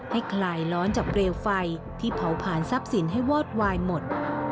คลายร้อนจากเปลวไฟที่เผาผ่านทรัพย์สินให้วอดวายหมด